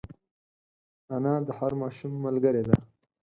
انا د هر ماشوم ملګرې ده